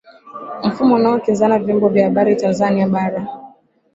Mfumo unaokinzana Vyombo vya habari Tanzania bara